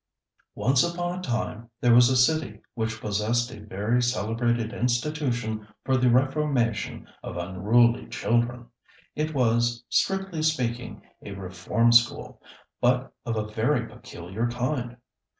Once upon a time there was a city which possessed a very celebrated institution for the reformation of unruly children. It was, strictly speaking, a Reform School, but of a very peculiar kind.